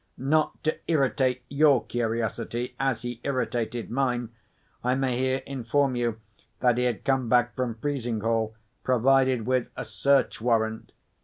(Not to irritate your curiosity, as he irritated mine, I may here inform you that he had come back from Frizinghall provided with a search warrant.